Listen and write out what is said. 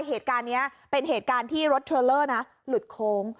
เหตุการณ์นี้เป็นเหตุการณ์ที่รถเทรลเลอร์นะหลุดโค้ง